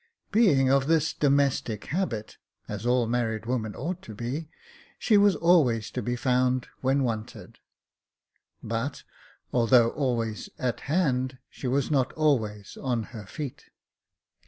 Being of this domestic habit, as all married women ought to be, she was always to be found when wanted ; but, although always at hand, she was not always on her feet.